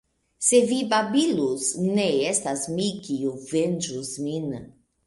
Se vi babilus, ne estas mi, kiu venĝus min.